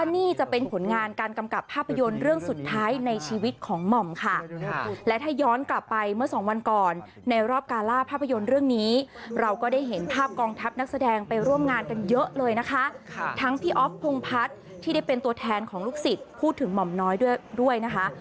ทั้งพี่อ๊อคพงภัทร์ที่ได้เป็นตัวแทนของลูกศิษย์พูดถึงหม่อมน้อยด้วยนะคะ